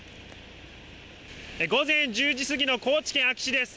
午前１０時過ぎの高知県安芸市です。